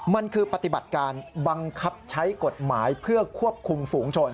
มันคือปฏิบัติการบังคับใช้กฎหมายเพื่อควบคุมฝูงชน